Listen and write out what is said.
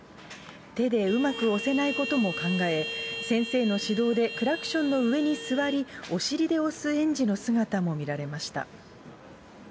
手でうまく押せないことも考え、先生の指導で、クラクションの上に座り、お尻で押す園児の姿も見られました。